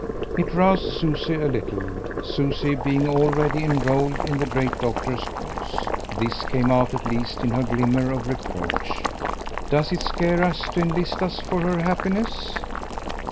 It roused Susie a little, Susie being already enrolled in the great doctor's cause. This came out at least in her glimmer of reproach. "Does it scare us to enlist us for her happiness?"